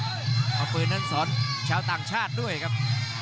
เอาปืนนั้นสอนชาวต่างชาติด้วยครับ